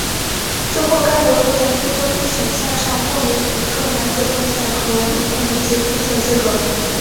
之后该国又在非洲预选赛上获得一个男子重剑和一个女子佩剑资格。